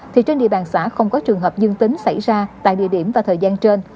thì trên địa bàn xã không có trường hợp dương tính xảy ra tại địa điểm và thời gian trên